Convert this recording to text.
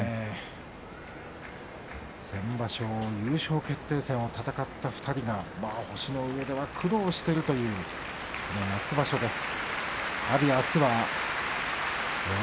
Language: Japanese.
先場所優勝決定戦を戦った２人が星のうえでは苦労している夏場所です。